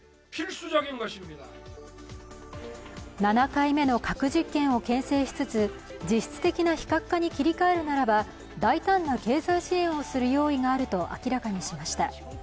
７回目の核実験をけん制しつつ実質的な非核化に切り替えるならば大胆な経済支援をする用意があると明らかにしました。